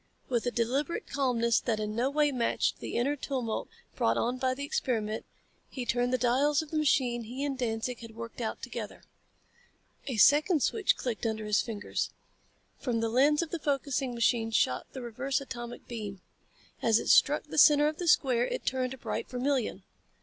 With a deliberate calmness that in no way matched the inner tumult brought on by the experiment, he turned the dials of the machine he and Danzig had worked out together. A second switch clicked under his fingers. From the lense of the focusing machine shot the reverse atomic beam. As it struck the center of the square it turned a bright vermilion.